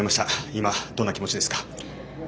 今、どんな気持ちですか？